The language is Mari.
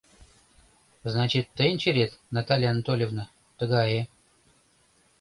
Значит, тыйын черет, Наталья Анатольевна, тыгае.